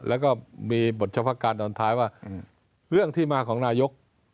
แล้วก็มีบทเฉพาะการตอนท้ายว่าเรื่องที่มาของนายก